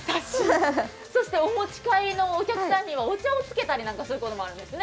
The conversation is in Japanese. そしてお持ち帰りのお客さんにはお茶をつけたりなんかもあると。